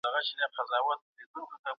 ایا د سبزیو په خوړلو سره د بدن انرژي زیاتېږي؟